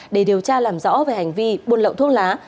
để điều tra làm rõ về hành vi buôn lậu thuốc lá